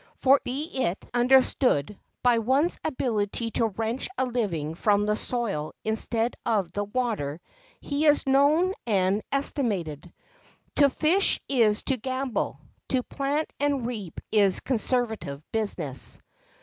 For, be it understood, by one's ability to wrench a living from the soil instead of the water is he known and estimated. To fish is to gamble; to plant and reap is conservative business.